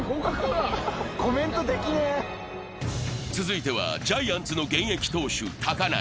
続いては、ジャイアンツの現役投手・高梨。